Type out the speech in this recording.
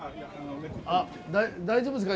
大丈夫ですか？